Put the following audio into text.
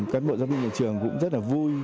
các bộ giáo viên của trường cũng rất là vui